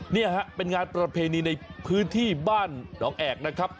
นี่ฮะเป็นงานประเพณีในพื้นที่บ้านหนองแอกนะครับ